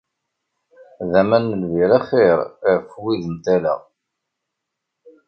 D aman n lbir axir af wid n tala.